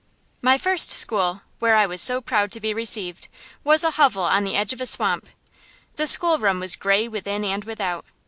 My first school, where I was so proud to be received, was a hovel on the edge of a swamp. The schoolroom was gray within and without.